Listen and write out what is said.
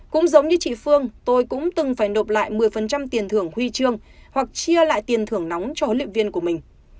cũng giống như chị phương tôi cũng từng phải nộp lại một mươi tiền thưởng huy chương hoặc chia lại tiền thưởng nóng cho huấn luyện viên của mình